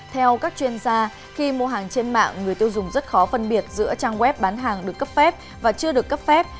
theo các chuyên gia khi mua hàng trên mạng người tiêu dùng rất khó phân biệt giữa trang web bán hàng được cấp phép và chưa được cấp phép